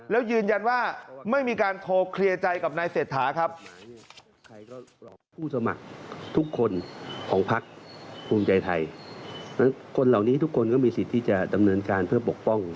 แล้วยืนยันว่าไม่มีการโทรเคลียร์ใจกับนายเศรษฐาครับ